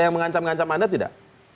yang mengancam ngancam anda tidak